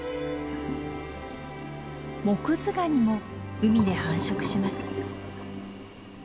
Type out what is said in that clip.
モクズガニも海で繁殖します。